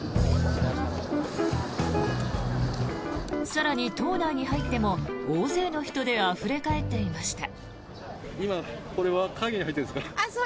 更に、島内に入っても大勢の人であふれ返っていました。